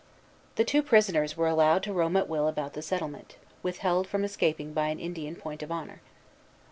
The two prisoners were allowed to roam at will about the settlement, withheld from escaping by an Indian point of honor.